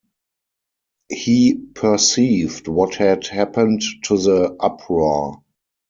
He perceived what had happened to the uproar.